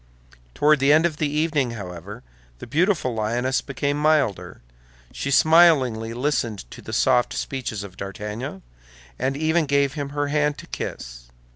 Toward the end of the evening, however, the beautiful lioness became milder; she smilingly listened to the soft speeches of D'Artagnan, and even gave him her hand to kiss.